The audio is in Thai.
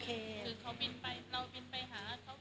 คือเราบินไปหาเขากัน